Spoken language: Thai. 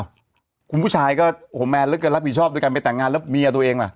คุณผู้ชายก็โอ้โหแมนเหลือเกินรับผิดชอบด้วยการไปแต่งงานแล้วเมียตัวเองล่ะ